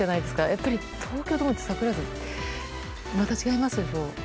やっぱり東京ドームって櫻井さん、また違いますでしょ？